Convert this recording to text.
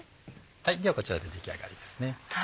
ではこちらで出来上がりです。